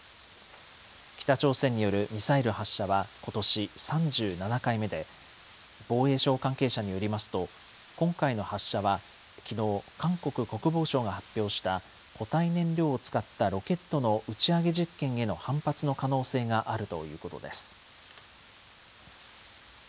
北朝鮮によるミサイル発射は、ことし３７回目で、防衛省関係者によりますと、今回の発射はきのう、韓国国防省が発表した固体燃料を使ったロケットの打ち上げ実験への反発の可能性があるということです。